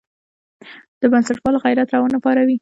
د بنسټپالو غیرت راونه پاروي.